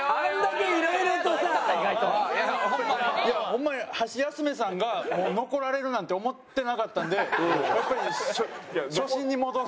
ホンマにハシヤスメさんが残られるなんて思ってなかったんでやっぱり初心に戻ろうと。